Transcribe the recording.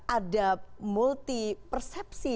ada multi persepsi